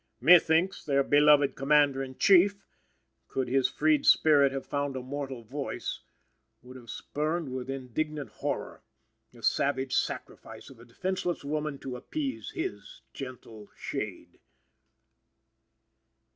Methinks their beloved Commander in Chief, could his freed spirit have found a mortal voice, would have spurned, with indignant horror, the savage sacrifice of a defenseless woman to appease his gentle shade.